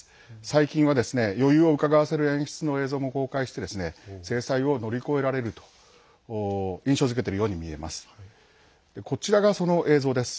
最近は余裕をうかがわせる演出の映像も公開して制裁を乗り越えられると印象づけているように見えます。